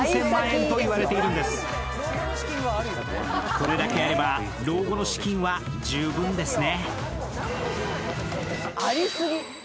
これだけあれば、老後の資金は十分ですね。